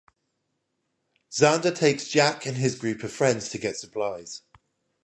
Xander takes Jack and his group of friends to get supplies.